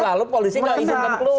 lalu polisi gak izinkan keluar